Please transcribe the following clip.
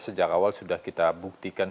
sejak awal sudah kita buktikan